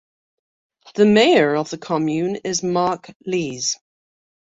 The mayor of the commune is Marc Lies.